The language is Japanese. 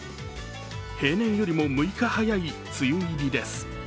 平年よりも６日早い梅雨入りです。